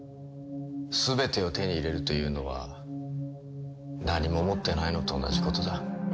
全てを手に入れるというのは何も持ってないのと同じことだ。